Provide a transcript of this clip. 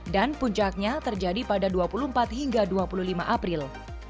puncaknya terjadi pada dua puluh empat hingga dua puluh lima april